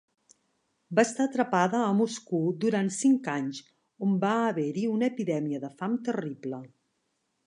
Va estar atrapada a Moscou durant cinc anys, on va haver-hi una epidèmia de fam terrible.